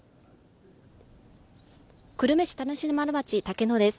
久留米市田主丸町竹野です。